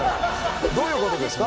どういうことですか？